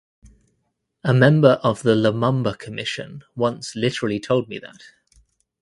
A member of the Lumumba Commission once literally told me that.